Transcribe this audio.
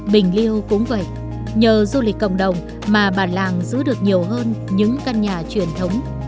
bình liêu cũng vậy nhờ du lịch cộng đồng mà bà làng giữ được nhiều hơn những căn nhà truyền thống